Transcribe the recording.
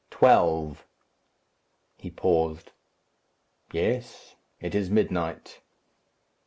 Twelve!" He paused. "Yes, it is midnight."